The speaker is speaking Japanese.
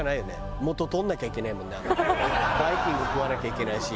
バイキング食わなきゃいけないし。